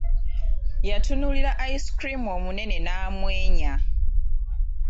Yaatunuulira ice cream omunene n'amwenya.